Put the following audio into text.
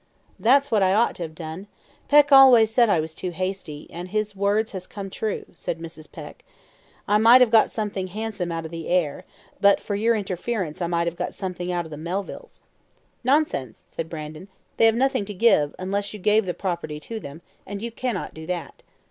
"That's what I ought to have done. Peck always said I was too hasty; and his words has come true," said Mrs. Peck. "I might have got something handsome out of the heir and but for your interference I might have got something out of the Melvilles." "Nonsense!" said Brandon; "they have nothing to give, unless you gave the property to them; and you cannot do that."